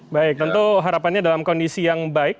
baik tentu harapannya dalam kondisi yang baik